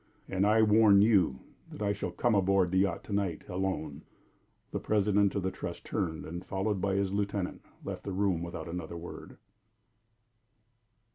"And I warn you that I shall come aboard the yacht to night alone." The president of the Trust turned, and, followed by his lieutenant, left the room without another word.